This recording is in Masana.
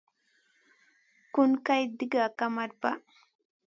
Ku nʼa Kay diga kamada.